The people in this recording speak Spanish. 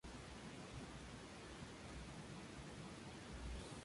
Al precio total habría que descontar las ayudas estatales y autonómicas.